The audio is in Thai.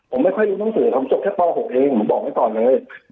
ผมไม่ใช่อายุทั้งสี่ทำชกแค่ตอน๖เองผมบอกไว้ตอนเลย